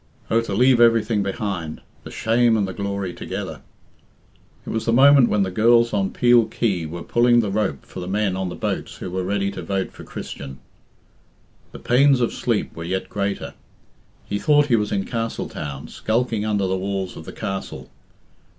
Oh, to leave everything behind the shame and the glory together! It was the moment when the girls on Peel Quay were pulling the rope for the men on the boats who were ready to vote for Christian. The pains of sleep were yet greater. He thought he was in Castletown, skulking under the walls of the castle.